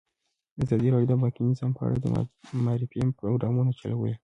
ازادي راډیو د بانکي نظام په اړه د معارفې پروګرامونه چلولي.